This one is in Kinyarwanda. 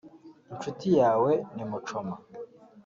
inshuti yawe ni mucoma